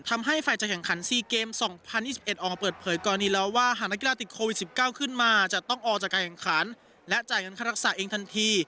ทำให้ฝ่ายจะแข่งขัน๔เกม๒๐๒๑ออกมาเปิดเผยกรณีแล้วว่าหากนักกีฬาติดโควิด๑๙ขึ้นมาจะต้องออกจากการแข่งขันและจ่ายเงินค่ารักษาเองทันที